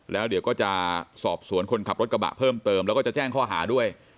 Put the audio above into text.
แล้วเดี๋ยวก็จะสอบสวนคนขับรถกระบะเพิ่มเติมแล้วก็จะแจ้งข้อหาด้วย